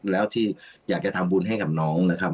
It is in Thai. แล้วที่อยากจะทำบุญให้กับน้องนะครับ